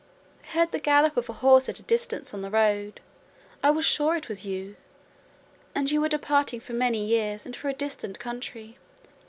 I heard the gallop of a horse at a distance on the road; I was sure it was you; and you were departing for many years and for a distant country.